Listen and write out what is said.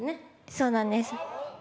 そうなんです。